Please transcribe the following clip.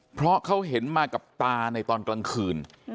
เพราะเขาเห็นมากับตาในตอนกลางคืน